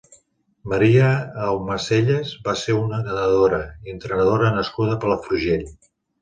Maria Aumacellas va ser una nedadora i entrenadora nascuda a Palafrugell.